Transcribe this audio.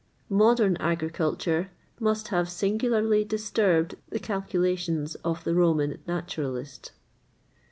[XXVIII 90] Modern agriculture must have singularly disturbed the calculations of the Roman naturalist.